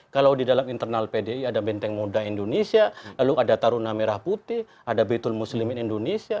kalau di dalam internal pdi ada benteng muda indonesia lalu ada taruna merah putih ada betul muslimin indonesia